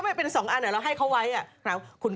อะก็เป็นสองอันเนี่ยรู้เหมือนที่หนูบอกพี่แบบนี้ไง